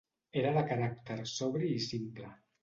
Era de caràcter sobri i simple.